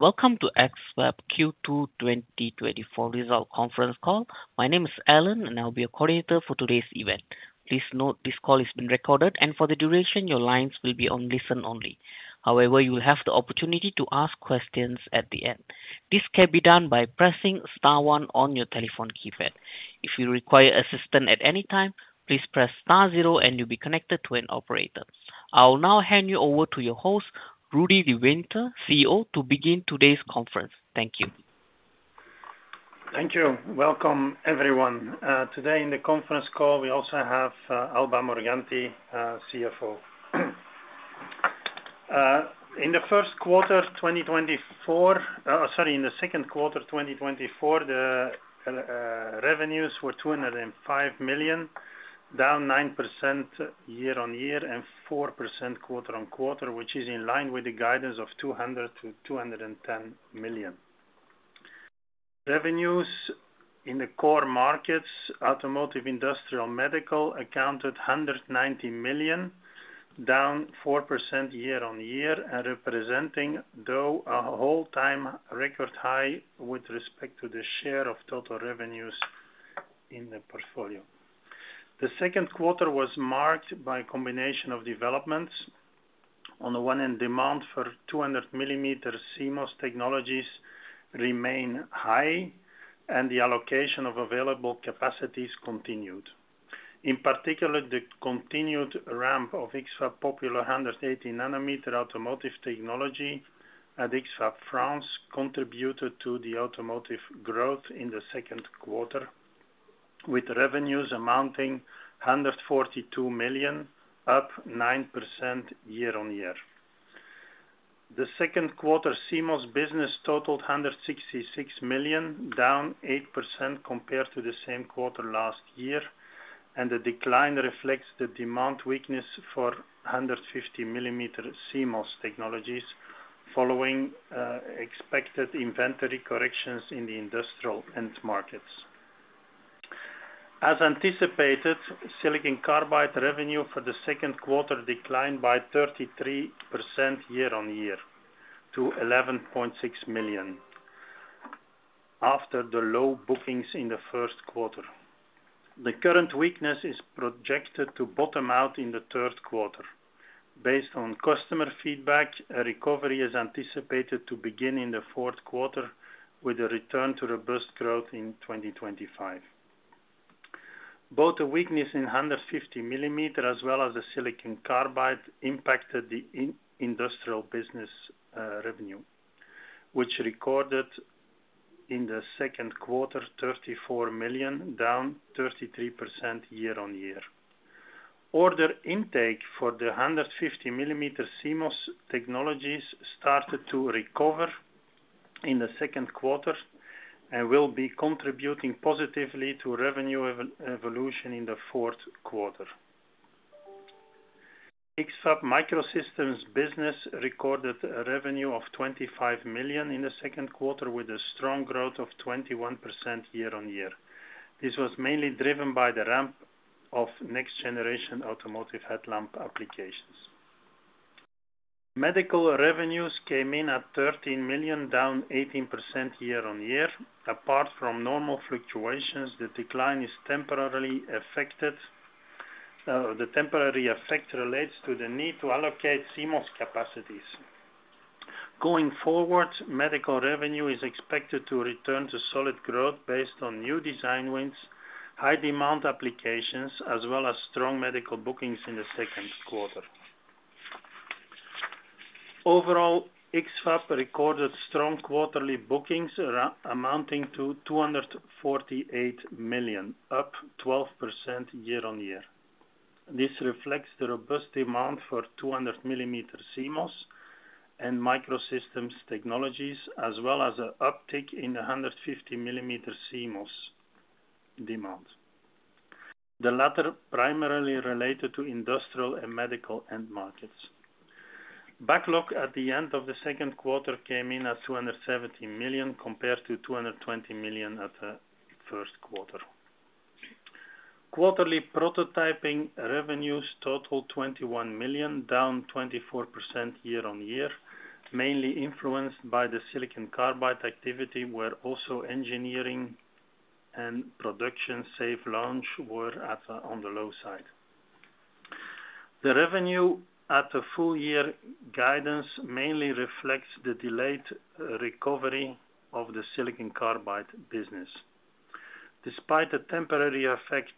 Welcome to X-FAB Q2 2024 Results Conference Call. My name is Alan, and I'll be your coordinator for today's event. Please note, this call is being recorded, and for the duration, your lines will be on listen-only. However, you will have the opportunity to ask questions at the end. This can be done by pressing star one on your telephone keypad. If you require assistance at any time, please press star zero, and you'll be connected to an operator. I'll now hand you over to your host, Rudi De Winter, CEO, to begin today's conference. Thank you. Thank you. Welcome, everyone. Today in the conference call, we also have Alba Morganti, CFO. In the Q1, 2024, sorry, in the Q2 2024, the revenues were 205 million, down 9% year-on-year and 4% quarter-on-quarter, which is in line with the guidance of 200 million-210 million. Revenues in the core markets, automotive, industrial, medical, accounted 190 million, down 4% year-on-year, and representing though a whole-time record high with respect to the share of total revenues in the portfolio. The Q2 was marked by a combination of developments. On the one hand, demand for 200 mm CMOS technologies remain high, and the allocation of available capacities continued. In particular, the continued ramp of X-FAB popular 180 nm automotive technology at X-FAB France contributed to the automotive growth in the Q2, with revenues amounting to 142 million, up 9% year-on-year. The Q2 CMOS business totaled 166 million, down 8% compared to the same quarter last year, and the decline reflects the demand weakness for 150 mm CMOS technologies, following expected inventory corrections in the industrial end markets. As anticipated, silicon carbide revenue for the Q2 declined by 33% year-on-year to 11.6 million, after the low bookings in the Q1. The current weakness is projected to bottom out in the Q3. Based on customer feedback, a recovery is anticipated to begin in the Q4, with a return to robust growth in 2025. Both a weakness in 150 mm, as well as the silicon carbide, impacted the industrial business revenue, which recorded EUR 34 million in the Q2, down 33% year-on-year. Order intake for the 150 mm CMOS technologies started to recover in the Q2 and will be contributing positively to revenue evolution in the Q4. X-FAB Microsystems business recorded a revenue of 25 million in the Q2, with a strong growth of 21% year-on-year. This was mainly driven by the ramp of next-generation automotive headlamp applications. Medical revenues came in at 13 million, down 18% year-on-year. Apart from normal fluctuations, the decline is temporarily affected. The temporary effect relates to the need to allocate CMOS capacities. Going forward, medical revenue is expected to return to solid growth based on new design wins, high demand applications, as well as strong medical bookings in the Q2. Overall, X-FAB recorded strong quarterly bookings amounting to 248 million, up 12% year-on-year. This reflects the robust demand for 200 mm CMOS and Microsystems technologies, as well as an uptick in the 150 mm CMOS demand. The latter primarily related to industrial and medical end markets. Backlog at the end of the Q2 came in at 270 million, compared to 220 million at the Q1. Quarterly prototyping revenues totaled 21 million, down 24% year-on-year, mainly influenced by the silicon carbide activity, where also engineering and production-safe launch were at, on the low side. The revenue at the full year guidance mainly reflects the delayed recovery of the silicon carbide business. Despite the temporary effect,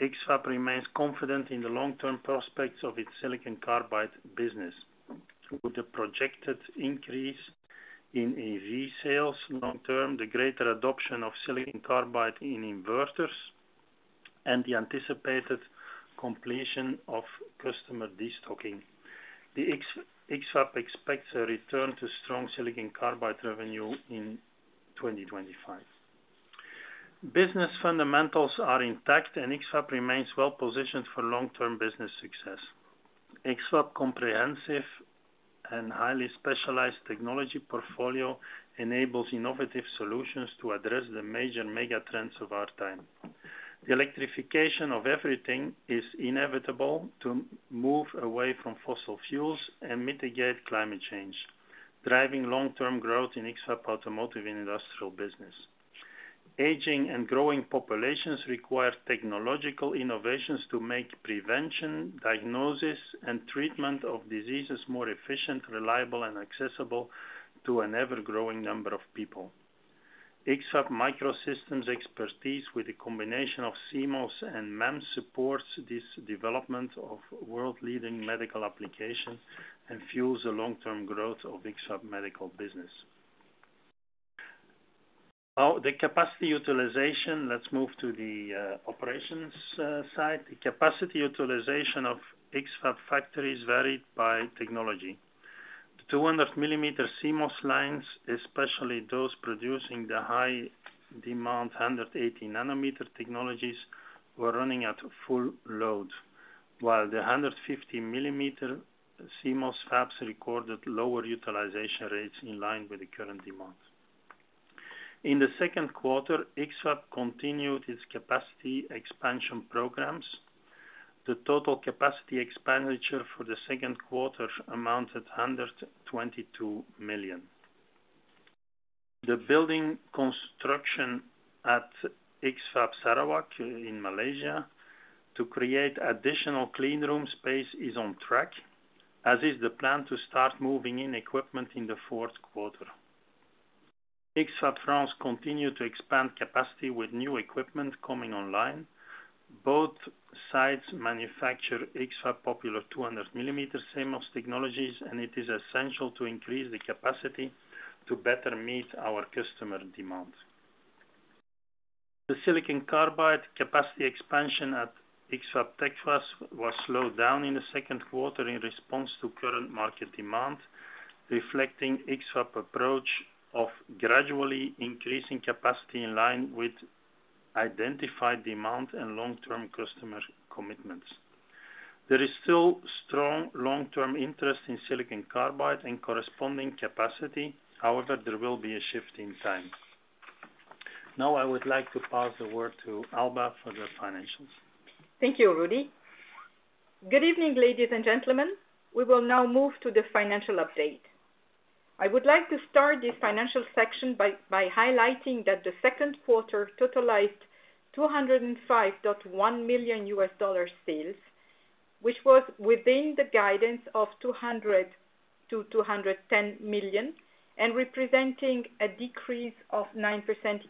X-FAB remains confident in the long-term prospects of its silicon carbide business. Through the projected increase in EV sales long term, the greater adoption of silicon carbide in inverters, and the anticipated completion of customer destocking. The X-FAB expects a return to strong silicon carbide revenue in 2025. Business fundamentals are intact, and X-FAB remains well positioned for long-term business success. X-FAB comprehensive and highly specialized technology portfolio enables innovative solutions to address the major mega trends of our time. The electrification of everything is inevitable to move away from fossil fuels and mitigate climate change, driving long-term growth in X-FAB automotive and industrial business. Aging and growing populations require technological innovations to make prevention, diagnosis, and treatment of diseases more efficient, reliable, and accessible to an ever-growing number of people. X-FAB Microsystems' expertise with a combination of CMOS and MEMS supports this development of world-leading medical applications and fuels the long-term growth of X-FAB medical business. Now, the capacity utilization. Let's move to the operations side. The capacity utilization of X-FAB factories varied by technology. 200 mm CMOS lines, especially those producing the high-demand 180 nm technologies, were running at full load, while the 150 mm CMOS fabs recorded lower utilization rates in line with the current demand. In the Q2, X-FAB continued its capacity expansion programs. The total capital expenditure for the Q2 amounted 122 million. The building construction at X-FAB Sarawak in Malaysia to create additional clean room space is on track, as is the plan to start moving in equipment in the Q4. X-FAB France continued to expand capacity with new equipment coming online. Both sites manufacture X-FAB popular 200 mm CMOS technologies, and it is essential to increase the capacity to better meet our customer demands. The silicon carbide capacity expansion at X-FAB Texas was slowed down in the Q2 in response to current market demand, reflecting X-FAB approach of gradually increasing capacity in line with identified demand and long-term customer commitments. There is still strong long-term interest in silicon carbide and corresponding capacity, however, there will be a shift in time. Now, I would like to pass the word to Alba for the financials. Thank you, Rudi. Good evening, ladies and gentlemen. We will now move to the financial update. I would like to start this financial section by highlighting that the Q2 totalized $205.1 million sales, which was within the guidance of $200-210 million, and representing a decrease of 9%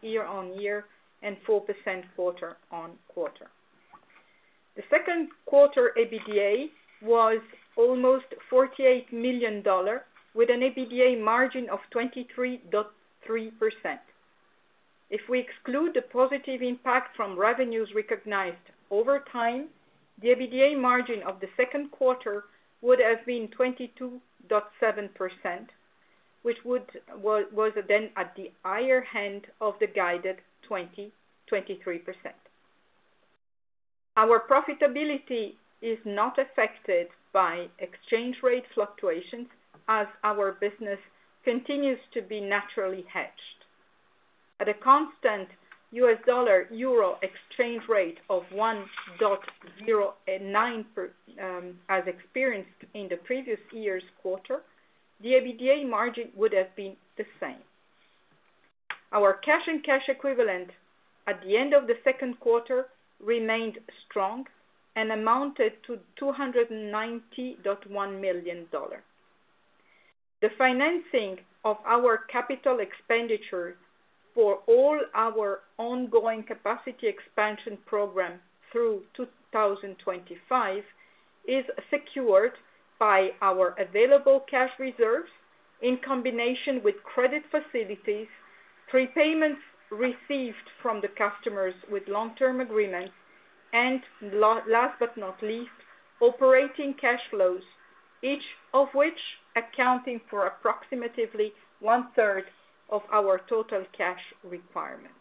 year-on-year and 4% quarter-on-quarter. The Q2 EBITDA was almost $48 million, with an EBITDA margin of 23.3%. If we exclude the positive impact from revenues recognized over time, the EBITDA margin of the Q2 would have been 22.7%, which was then at the higher end of the guided 20%-23%. Our profitability is not affected by exchange rate fluctuations, as our business continues to be naturally hedged. At a constant US dollar, euro exchange rate of 1.09 per—as experienced in the previous year's quarter, the EBITDA margin would have been the same. Our cash and cash equivalent at the end of the Q2 remained strong and amounted to $290.1 million. The financing of our capital expenditure for all our ongoing capacity expansion program through 2025, is secured by our available cash reserves in combination with credit facilities, prepayments received from the customers with long-term agreements, and last but not least, operating cash flows, each of which accounting for approximately one-third of our total cash requirement.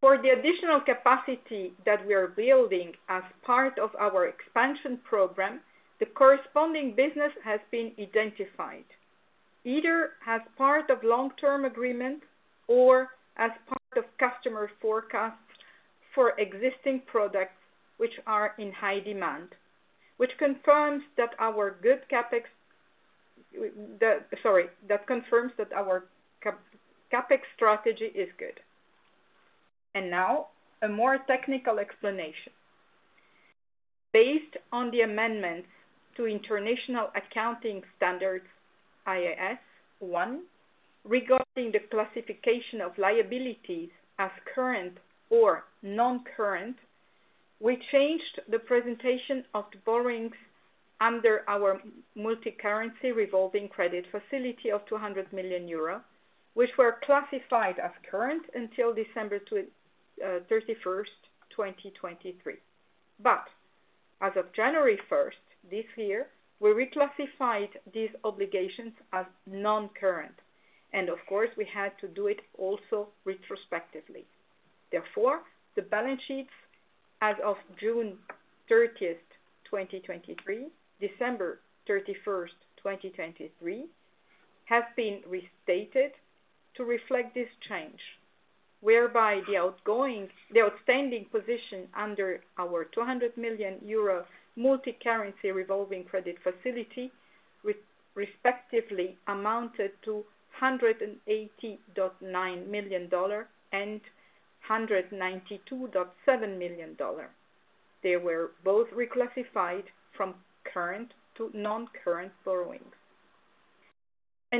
For the additional capacity that we are building as part of our expansion program, the corresponding business has been identified, either as part of long-term agreement or as part of customer forecasts for existing products which are in high demand, which confirms that our good CapEx strategy is good. And now a more technical explanation. Based on the amendments to International Accounting Standards, IAS 1, regarding the classification of liabilities as current or non-current, we changed the presentation of the borrowings under our multicurrency revolving credit facility of 200 million euro, which were classified as current until 31 December 2023. But as of January 1st, this year, we reclassified these obligations as non-current, and of course, we had to do it also retrospectively. Therefore, the balance sheets-... As of June 30th, 2023, December 31st, 2023, has been restated to reflect this change, whereby the outstanding position under our 200 million euro multicurrency revolving credit facility respectively amounted to $180.9 million and $192.7 million. They were both reclassified from current to non-current borrowings.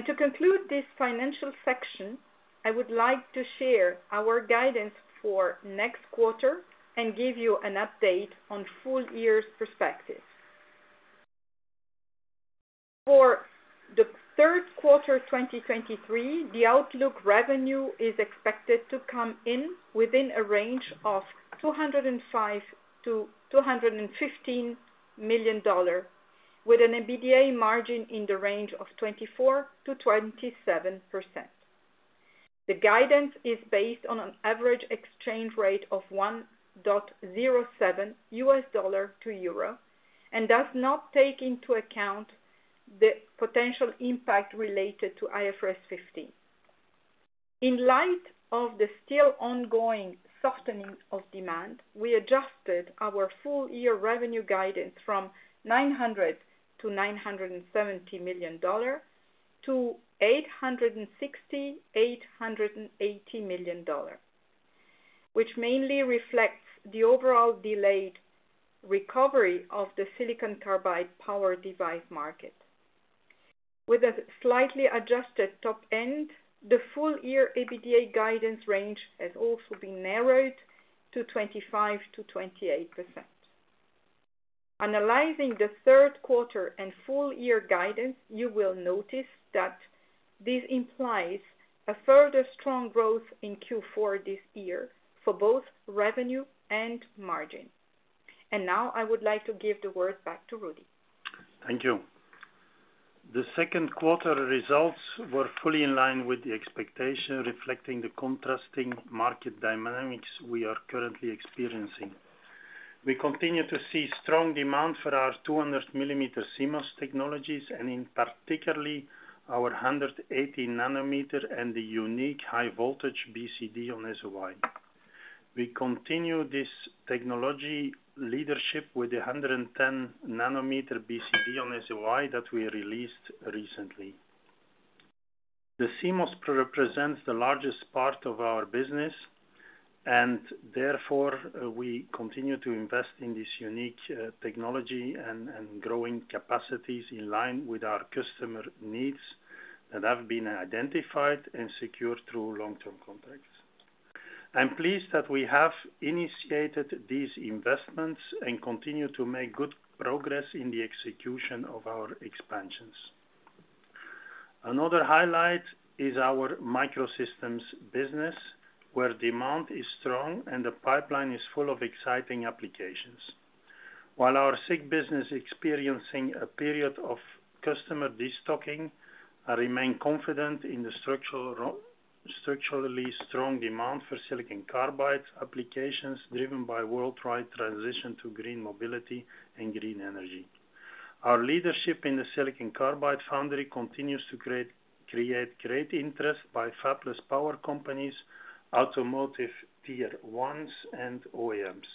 To conclude this financial section, I would like to share our guidance for next quarter and give you an update on full year's perspective. For the Q3 2023, the outlook revenue is expected to come in within a range of $205 million-$215 million, with an EBITDA margin in the range of 24%-27%. The guidance is based on an average exchange rate of 1.07 US dollar to euro and does not take into account the potential impact related to IFRS 15. In light of the still ongoing softening of demand, we adjusted our full year revenue guidance from $900-970 million to $860-880 million, which mainly reflects the overall delayed recovery of the silicon carbide power device market. With a slightly adjusted top end, the full year EBITDA guidance range has also been narrowed to 25%-28%. Analyzing the Q3 and full year guidance, you will notice that this implies a further strong growth in Q4 this year for both revenue and margin. Now I would like to give the word back to Rudi. Thank you. The Q2 results were fully in line with the expectation, reflecting the contrasting market dynamics we are currently experiencing. We continue to see strong demand for our 200 mm CMOS technologies and in particular our 180 nm and the unique high voltage BCD on SOI. We continue this technology leadership with the 110-nanometer BCD on SOI that we released recently. The CMOS represents the largest part of our business, and therefore, we continue to invest in this unique technology and growing capacities in line with our customer needs that have been identified and secured through long-term contracts. I'm pleased that we have initiated these investments and continue to make good progress in the execution of our expansions. Another highlight is our microsystems business, where demand is strong and the pipeline is full of exciting applications. While our SiC business is experiencing a period of customer destocking, I remain confident in the structurally strong demand for silicon carbide applications, driven by worldwide transition to green mobility and green energy. Our leadership in the silicon carbide foundry continues to create great interest by fabless power companies, automotive tier ones, and OEMs.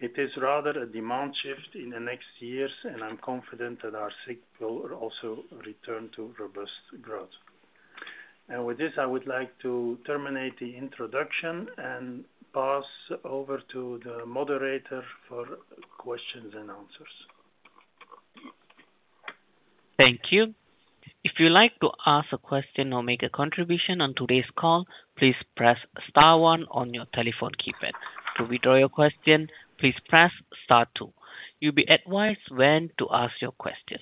It is rather a demand shift in the next years, and I'm confident that our SiC will also return to robust growth. With this, I would like to terminate the introduction and pass over to the moderator for questions-and-answers. Thank you. If you'd like to ask a question or make a contribution on today's call, please press star one on your telephone keypad. To withdraw your question, please press star two. You'll be advised when to ask your question.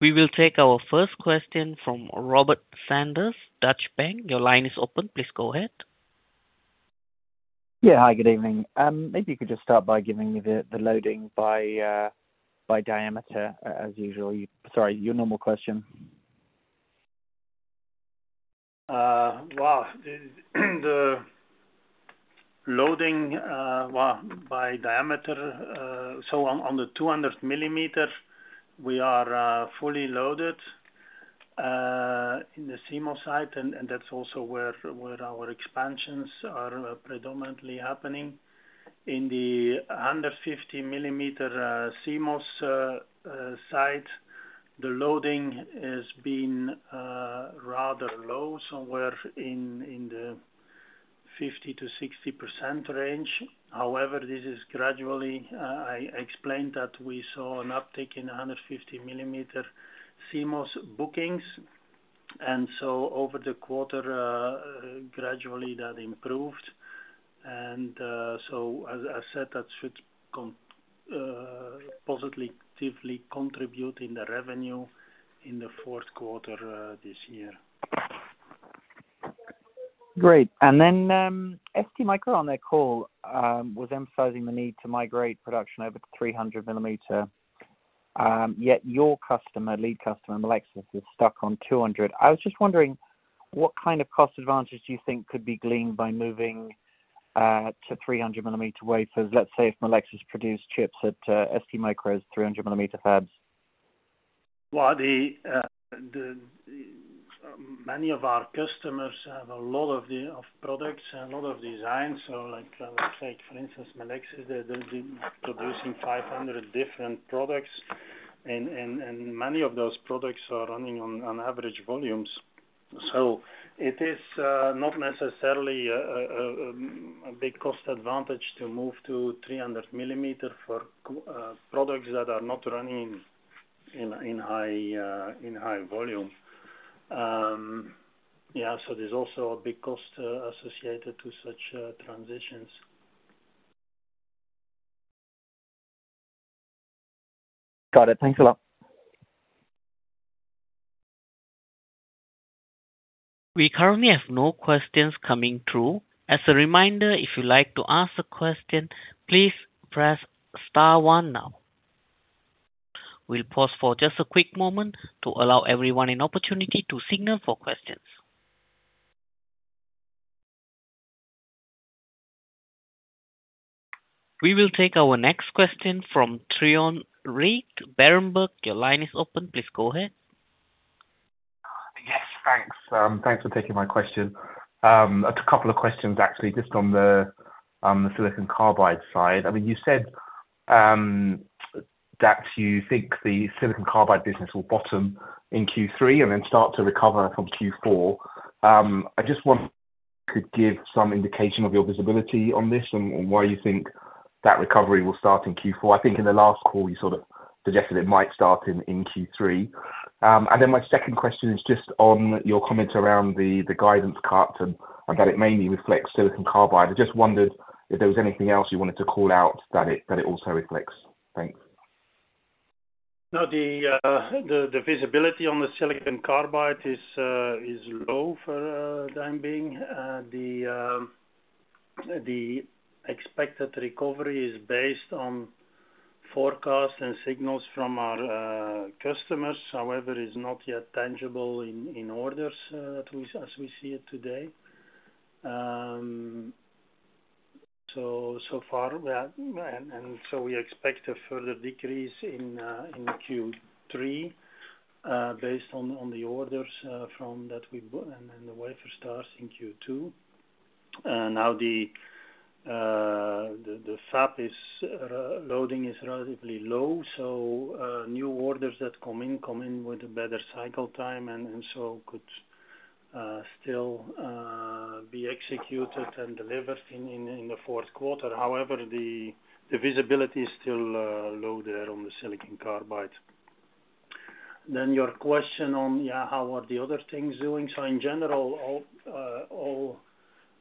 We will take our first question from Robert Sanders, Deutsche Bank. Your line is open. Please go ahead. Yeah. Hi, good evening. Maybe you could just start by giving me the loading by diameter, as usual. Sorry, your normal question. Well, the loading by diameter, so on the 200 mm, we are fully loaded in the CMOS site, and that's also where our expansions are predominantly happening. In the 150 mm CMOS site, the loading has been rather low, somewhere in the 50%-60% range. However, this is gradually. I explained that we saw an uptick in 150 mm CMOS bookings, and so over the quarter, gradually that improved. So as I said, that should contribute positively in the revenue in the Q4 this year. Great. And then, STMicro on their call, was emphasizing the need to migrate production over to 300 mm. yet your customer, lead customer, Melexis, is stuck on 200. I was just wondering, what kind of cost advantage do you think could be gleaned by moving, to 300 mm wafers, let's say if Melexis produced chips at, STMicroelectronics' 300 mm fabs? Well, the many of our customers have a lot of the products and a lot of designs. So like take for instance, Melexis, they've been producing 500 different products, and many of those products are running on average volumes. So it is not necessarily a big cost advantage to move to 300 mm for products that are not running in high volume. Yeah, so there's also a big cost associated to such transitions. Got it. Thanks a lot. We currently have no questions coming through. As a reminder, if you'd like to ask a question, please press star one now. We'll pause for just a quick moment to allow everyone an opportunity to signal for questions. We will take our next question from Trion Reid, Berenberg. Your line is open. Please go ahead. Yes, thanks. Thanks for taking my question. A couple of questions, actually, just on the silicon carbide side. I mean, you said that you think the silicon carbide business will bottom in Q3 and then start to recover from Q4. I just wonder, could you give some indication of your visibility on this and why you think that recovery will start in Q4? I think in the last call, you sort of suggested it might start in Q3. And then my second question is just on your comment around the guidance cut, and that it mainly reflects silicon carbide. I just wondered if there was anything else you wanted to call out that it also reflects. Thanks. No, the visibility on the silicon carbide is low for the time being. The expected recovery is based on forecast and signals from our customers. However, it's not yet tangible in orders, as we see it today. So far, we expect a further decrease in Q3, based on the orders and the wafer starts in Q2. Now the fab loading is relatively low, so new orders that come in come in with a better cycle time and so could still be executed and delivered in the Q4. However, the visibility is still low there on the silicon carbide. Then your question on, yeah, how are the other things doing? So in general, all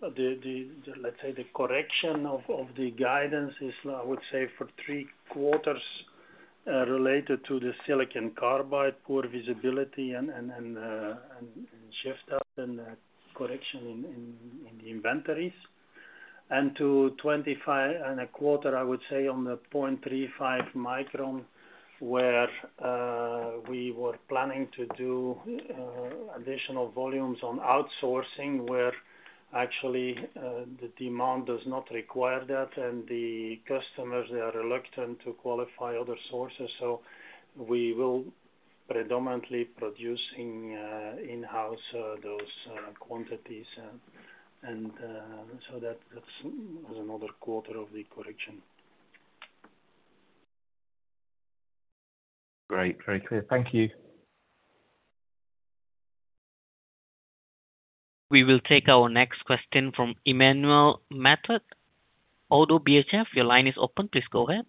the, let's say, the correction of the guidance is, I would say, for three quarters related to the silicon carbide, poor visibility and shift up and correction in the inventories. And to 25.25, I would say on the 0.35 micron, where we were planning to do additional volumes on outsourcing, where actually the demand does not require that, and the customers they are reluctant to qualify other sources, so we will predominantly produce in-house those quantities. And so that, that's another quarter of the correction. Great. Very clear. Thank you. We will take our next question from Emmanuel Matot at ODDO BHF. Your line is open. Please go ahead.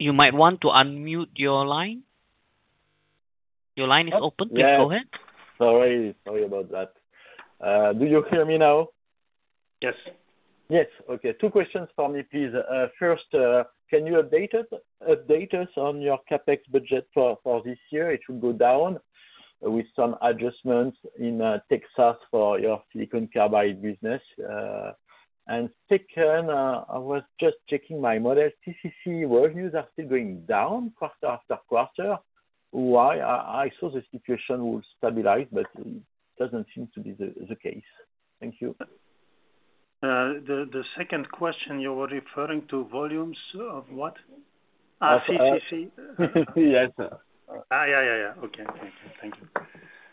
You might want to unmute your line. Your line is open. Yes. Please go ahead. Sorry. Sorry about that. Do you hear me now? Yes. Yes. Okay. Two questions for me, please. First, can you update us on your CapEx budget for this year? It should go down with some adjustments in Texas for your silicon carbide business. And second, I was just checking my model. CCC revenues are still going down quarter after quarter. Why? I saw the situation would stabilize, but it doesn't seem to be the case. Thank you. The second question, you were referring to volumes of what? CCC? CCC. Yes, sir. Yeah, yeah, yeah. Okay. Thank you. Thank you.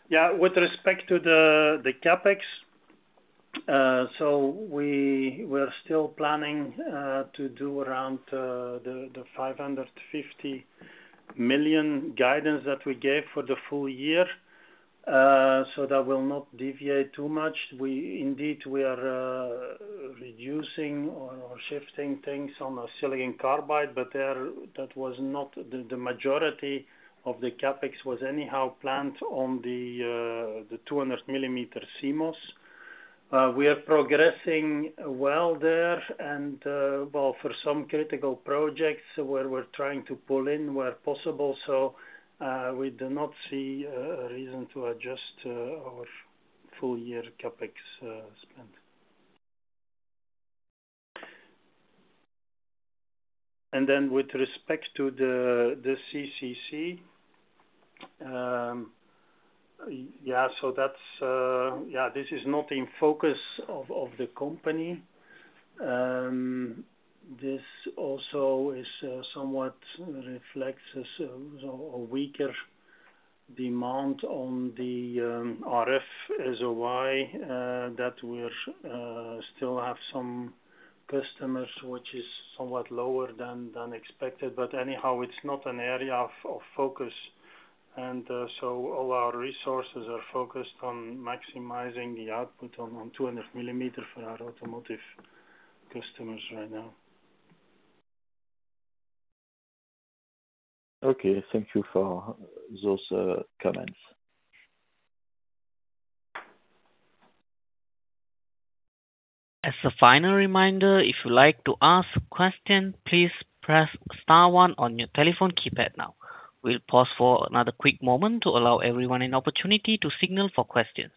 Yeah, with respect to the CapEx, so we were still planning to do around the 550 million guidance that we gave for the full year, so that will not deviate too much. We indeed, we are reducing or shifting things on the silicon carbide, but there, that was not the majority of the CapEx was anyhow planned on the 200 mm CMOS. We are progressing well there, and well, for some critical projects where we're trying to pull in where possible, so we do not see a reason to adjust our full year CapEx spend. And then with respect to the CCC, yeah, so that's yeah, this is not in focus of the company. This also is somewhat reflects a weaker demand on the RF SOI that we're still have some customers, which is somewhat lower than expected. But anyhow, it's not an area of focus, and so all our resources are focused on maximizing the output on 200 mm for our automotive customers right now. Okay. Thank you for those comments. As a final reminder, if you'd like to ask question, please press star one on your telephone keypad now. We'll pause for another quick moment to allow everyone an opportunity to signal for questions.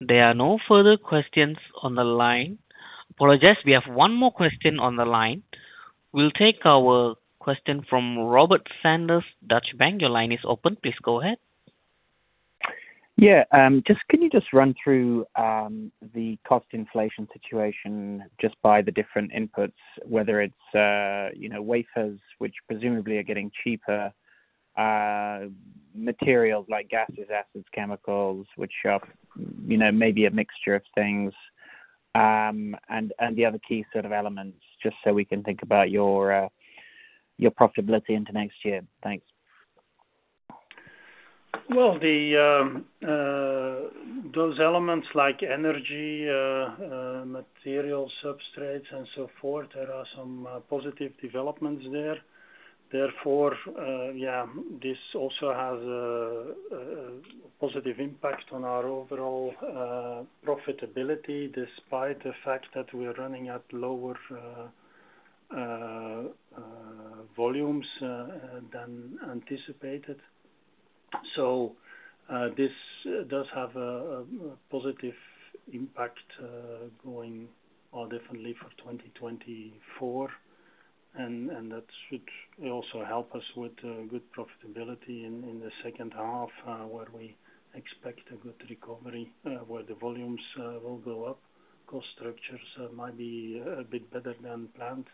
There are no further questions on the line. Apologies, we have one more question on the line. We'll take our question from Robert Sanders, Deutsche Bank. Your line is open, please go ahead. Yeah, can you just run through the cost inflation situation just by the different inputs, whether it's, you know, wafers, which presumably are getting cheaper, materials like gases, acids, chemicals, which are, you know, maybe a mixture of things, and the other key sort of elements, just so we can think about your profitability into next year. Thanks. Well, those elements like energy, material, substrates, and so forth, there are some positive developments there. Therefore, yeah, this also has a positive impact on our overall profitability, despite the fact that we're running at lower volumes than anticipated. So, this does have a positive impact going all differently for 2024, and that should also help us with good profitability in the second half, where we expect a good recovery, where the volumes will go up. Cost structures might be a bit better than planned,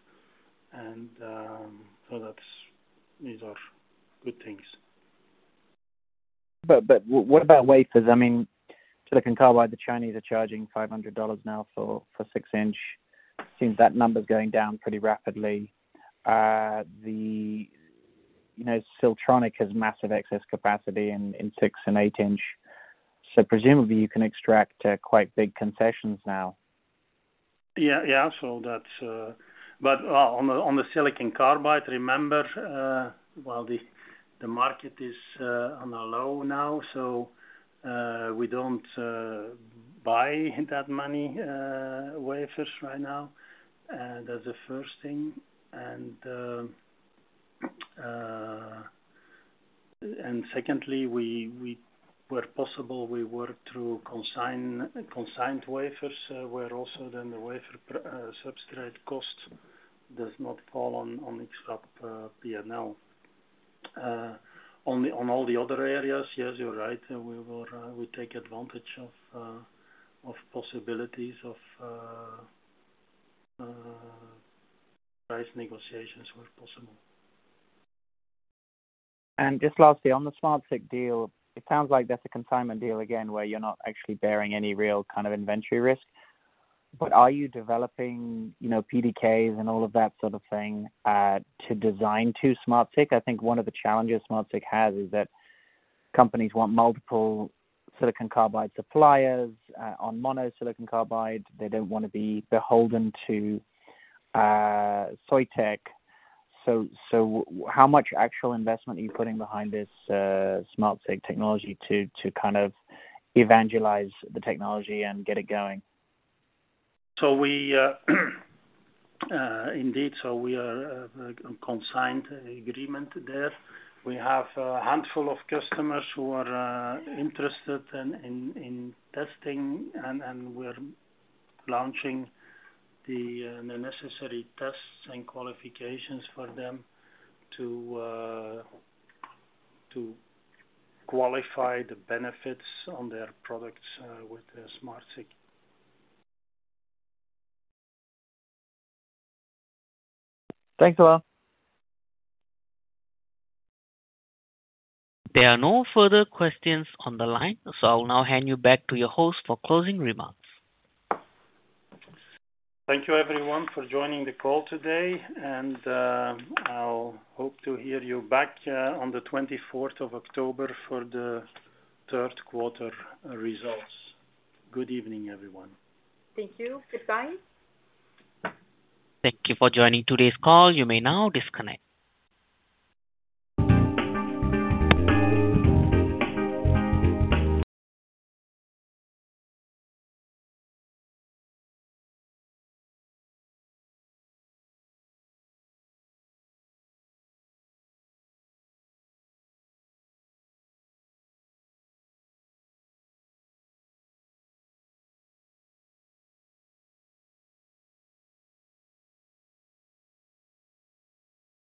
and so that's—these are good things. But what about wafers? I mean, silicon carbide, the Chinese are charging $500 now for 6-inch. Seems that number is going down pretty rapidly. You know, Siltronic has massive excess capacity in 6- and 8-inch. So presumably you can extract quite big concessions now. Yeah, yeah. So that's—but on the silicon carbide, remember, while the market is on a low now, so we don't buy that many wafers right now. That's the first thing. And secondly, where possible, we work through consigned wafers, where also then the wafer substrate cost does not fall on X-FAB P&L. On all the other areas, yes, you're right. We will take advantage of possibilities of price negotiations where possible. Just lastly, on the SmartSiC deal, it sounds like that's a consignment deal again, where you're not actually bearing any real kind of inventory risk. But are you developing, you know, PDKs and all of that sort of thing, to design to SmartSiC? I think one of the challenges SmartSiC has, is that companies want multiple silicon carbide suppliers, on mono silicon carbide. They don't want to be beholden to, Soitec. So, how much actual investment are you putting behind this, SmartSiC technology to, kind of evangelize the technology and get it going? So we are indeed consignment agreement there. We have a handful of customers who are interested in testing, and we're launching the necessary tests and qualifications for them to qualify the benefits on their products with the SmartSiC. Thanks a lot. There are no further questions on the line, so I'll now hand you back to your host for closing remarks. Thank you everyone for joining the call today, and, I'll hope to hear you back, on the 24th of October for the Q3 results. Good evening, everyone. Thank you. Goodbye. Thank you for joining today's call. You may now disconnect.